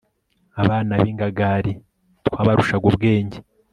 abana b'ingagali twabarushaga ubwenge